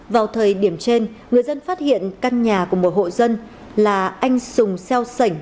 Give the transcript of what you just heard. vào thời điểm trên người dân phát hiện căn nhà của một hộ dân là anh sùng xeo sảnh